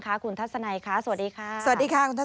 คุณทัศนัยครับสวัสดีครับ